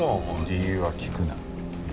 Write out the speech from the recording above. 理由は聞くな。